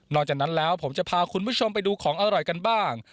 หลังจากนั้นแล้วผมจะพาคุณผู้ชมไปดูของอร่อยกันบ้าง